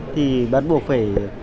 thì bắt buộc phải